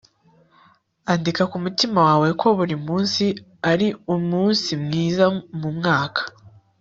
andika ku mutima wawe ko buri munsi ari umunsi mwiza mu mwaka